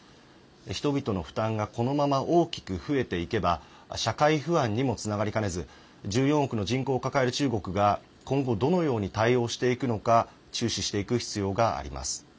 人々の負担がこのまま大きく増えていけば社会不安にもつながりかねず１４億人の人口を抱える中国が今後どのように対応していくのか注視していく必要があります。